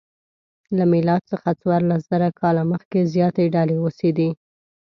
له میلاد څخه څوارلسزره کاله مخکې زیاتې ډلې اوسېدې.